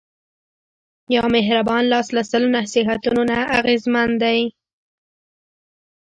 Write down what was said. یو مهربان لاس له سلو نصیحتونو نه اغېزمن دی.